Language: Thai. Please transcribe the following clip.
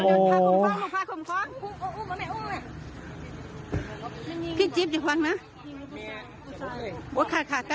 โอ้โฮเดี๋ยวพาผมเข้า